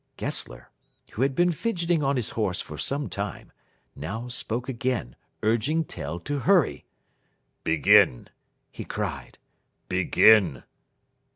Gessler, who had been fidgeting on his horse for some time, now spoke again, urging Tell to hurry. "Begin!" he cried "begin!"